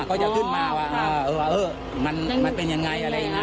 เขาจะขึ้นมาว่ามันเป็นอย่างไรอะไรอย่างไร